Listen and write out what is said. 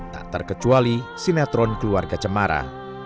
tak terkecuali sinetron keluarga cemara